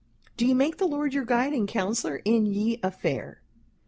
do you make the Lord your Guide and Counselor in ye affair?